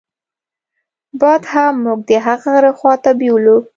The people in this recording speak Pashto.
باد هم موږ د هغه غره خواته بېولو.